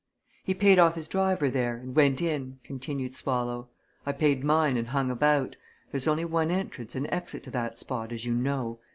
"He paid off his driver there, and went in," continued Swallow. "I paid mine and hung about there's only one entrance and exit to that spot, as you know.